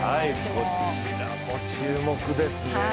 こちらも注目ですね。